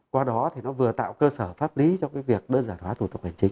qua đó thì nó vừa tạo cơ sở pháp lý cho việc đơn giản hóa tổ tộc hành chính